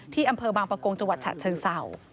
อำเภอบางประกงจังหวัดฉะเชิงเศร้า